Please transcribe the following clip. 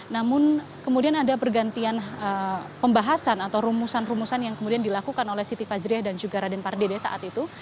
namun kemudian ada pergantian pembahasan atau rumusan rumusan yang kemudian dilakukan oleh siti fajriah dan juga raden pardede saat itu